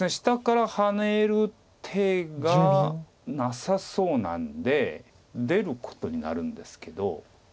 下からハネる手がなさそうなんで出ることになるんですけど。